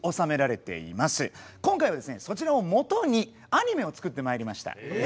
今回はそちらを基にアニメを作ってまいりました。